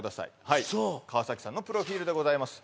はい川崎さんのプロフィールでございます